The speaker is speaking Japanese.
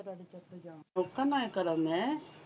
おっかないからね。